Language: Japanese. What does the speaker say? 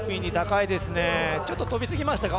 ちょっと跳びすぎましたか。